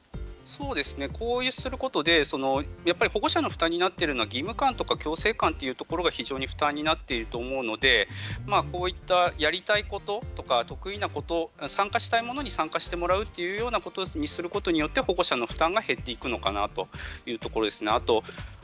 こういうふうにすることで保護者に負担になっているのは義務感と強制感というのが非常に負担なっていると思うので、こういったやりたいこととか得意なこと、参加したいものに参加してもらうということにすることによって保護者の負担が減っていくのかなというところです。